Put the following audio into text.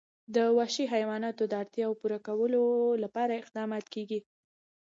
د وحشي حیواناتو د اړتیاوو پوره کولو لپاره اقدامات کېږي.